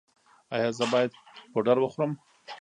ایا زه باید پوډر وخورم؟